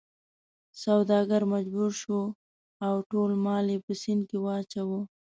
سوداګر مجبور شو او ټول مال یې په سیند کې واچاوه.